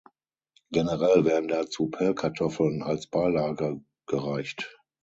Generell werden dazu Pellkartoffeln als Beilage gereicht.